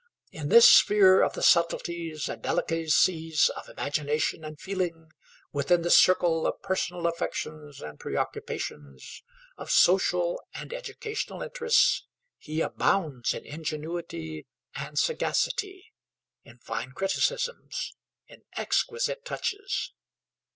In this sphere of the subtleties and delicacies of imagination and feeling, within the circle of personal affections and preoccupations, of social and educational interests, he abounds in ingenuity and sagacity, in fine criticisms, in exquisite touches.